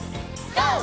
ＧＯ！